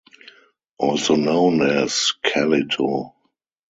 Also known as: Calito.